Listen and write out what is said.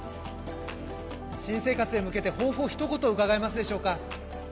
新生活へ向けて抱負をひと言伺えますでしょうか？